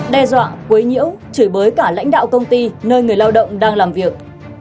đe dọa quấy nhiêu chửi bới cả lãnh đạo công ty nơi người lao động đang làm việc